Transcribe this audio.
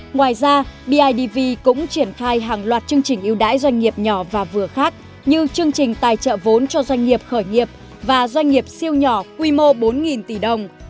ngoài ra bidv cũng triển khai hàng loạt chương trình ưu đãi doanh nghiệp nhỏ và vừa khác như chương trình tài trợ vốn cho doanh nghiệp khởi nghiệp và doanh nghiệp siêu nhỏ quy mô bốn tỷ đồng